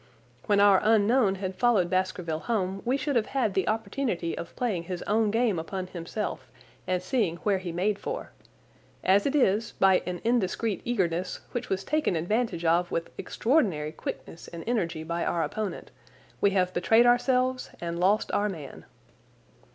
When our unknown had followed Baskerville home we should have had the opportunity of playing his own game upon himself and seeing where he made for. As it is, by an indiscreet eagerness, which was taken advantage of with extraordinary quickness and energy by our opponent, we have betrayed ourselves and lost our man."